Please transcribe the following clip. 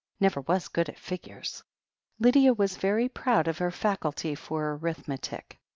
Never was good at figures." Lydia was very proud of her faculty for arithmetic.